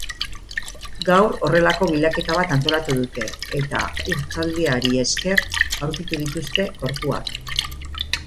Gaur horrelako bilaketa bat antolatu dute eta urtzaldiari esker aurkitu dituzte gorpuak.